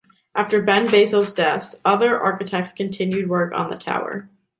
After Ben Baso's death, other architects continued work on the tower.